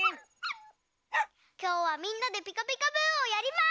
きょうはみんなで「ピカピカブ！」をやります！